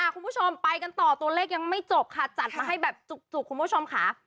คุณผู้ชมไปกันต่อตัวเลขยังไม่จบค่ะจัดมาให้แบบจุกคุณผู้ชมค่ะ